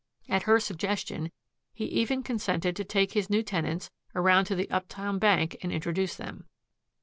At her suggestion he even consented to take his new tenants around to the Uptown Bank and introduce them.